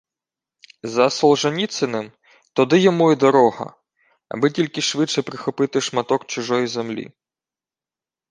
За Солженіциним – туди йому і дорога! Аби тільки швидше прихопити шматок чужої землі